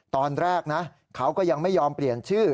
ตอนแรกนะเขาก็ยังไม่ยอมเปลี่ยนชื่อ